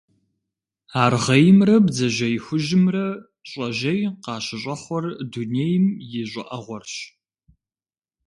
Аргъеймрэ бдзэжьей хужьымрэ щӀэжьей къащыщӀэхъуэр дунейм и щӀыӀэгъуэрщ.